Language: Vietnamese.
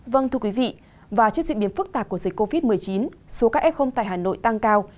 vâng thưa quý vị và trước diễn biến phức tạp của dịch covid một mươi chín số các f tại hà nội tăng cao